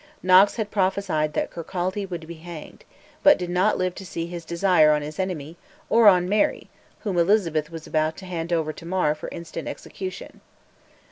Knox had prophesied that Kirkcaldy would be hanged, but did not live to see his desire on his enemy, or on Mary, whom Elizabeth was about to hand over to Mar for instant execution.